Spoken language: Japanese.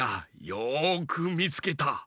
よくみつけた。